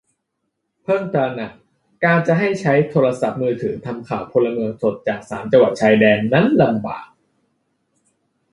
เพิ่งตระหนัก : การจะให้ใช้โทรศัพท์มือถือทำข่าวพลเมืองสดจากสามจังหวัดชายแดน นั้นลำบาก